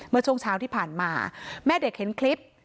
เมื่อช่วงเช้าที่ผ่านมาแม่เด็กเห็นคลิป